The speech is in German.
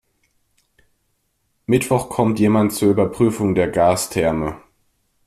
Mittwoch kommt jemand zur Überprüfung der Gastherme.